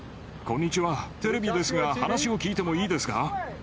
テレビですが、話を聞いてもいいですか？